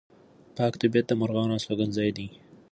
پاک طبیعت د مرغانو استوګنځی دی.